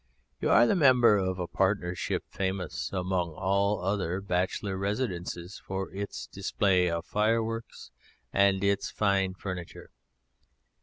You are the member of a partnership famous among all other bachelor residences for its display of fireworks and its fine furniture.